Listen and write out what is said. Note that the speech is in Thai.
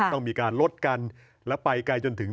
ต้องมีการลดกันและไปไกลจนถึง